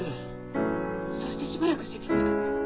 そしてしばらくして気付いたんです。